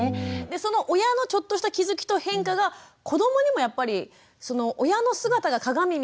その親のちょっとした気付きと変化が子どもにもやっぱりその親の姿が鏡みたいな感覚で影響していくんですね。